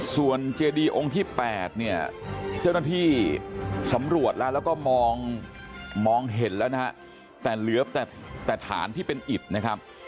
ส่วนเจดีองค์ที่๘เนี่ยเจ้าหน้าที่สำรวจแล้วแล้วก็มองเห็นแล้วนะฮะแต่เหลือแต่ฐานที่เป็นอิดนะครับ